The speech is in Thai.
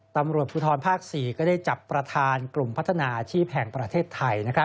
ตำรวจภูทรภาค๔ก็ได้จับประธานกลุ่มพัฒนาอาชีพแห่งประเทศไทย